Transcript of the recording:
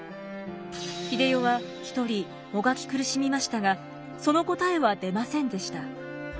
英世は１人もがき苦しみましたがその答えは出ませんでした。